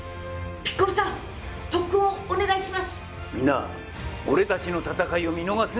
ピッコロさん特訓をお願いします。